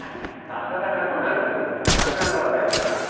暖かくなるということで、桜の話題から。